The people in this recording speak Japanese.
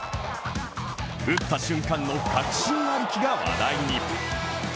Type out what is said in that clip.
打った瞬間の確信歩きが話題に。